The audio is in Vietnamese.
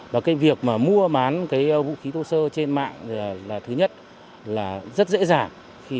và cái việc mà mua bán cái vũ khí thô sơ trên mạng là thứ nhất là rất dễ dàng